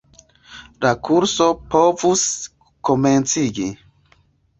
La kurso povus komenciĝi.